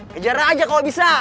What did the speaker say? kejar aja kalo bisa